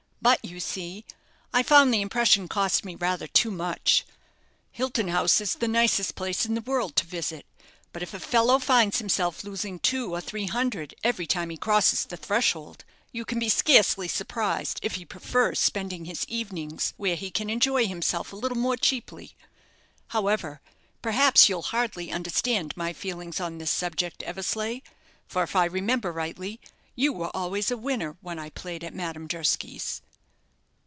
But, you see, I found the impression cost me rather too much. Hilton House is the nicest place in the world to visit; but if a fellow finds himself losing two or three hundred every time he crosses the threshold, you can be scarcely surprised if he prefers spending his evenings where he can enjoy himself a little more cheaply. However, perhaps you'll hardly understand my feelings on this subject, Eversleigh; for if I remember rightly you were always a winner when I played at Madame Durski's."